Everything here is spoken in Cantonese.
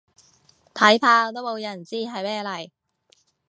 睇怕都冇人知係咩嚟